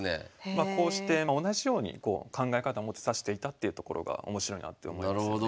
まあこうして同じように考え方持って指していたっていうところが面白いなって思いますよね。